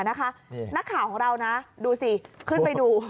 นักข่าวของเรานะดูสิขึ้นไปดู